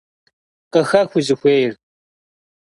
Къыхэх узыхуейр.